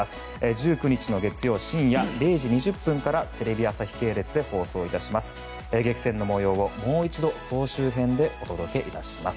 １９日の月曜深夜０時２０分からテレビ朝日系列での放送です。